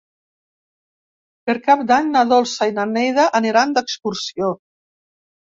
Per Cap d'Any na Dolça i na Neida aniran d'excursió.